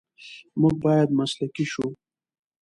موږ باید مسلکي شو.